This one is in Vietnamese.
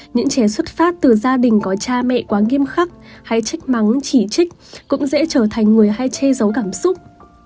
những trẻ xuất phát từ gia đình có cha mẹ quá nghiêm khắc hay trích mắng chỉ trích cũng dễ trở thành người hay che giấu cảm xúc